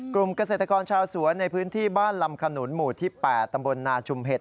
เกษตรกรชาวสวนในพื้นที่บ้านลำขนุนหมู่ที่๘ตำบลนาชุมเห็ด